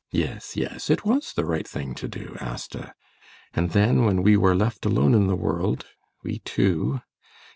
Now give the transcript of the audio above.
] Yes, yes, it was the right thing to do, Asta. And then when we were left alone in the world, we two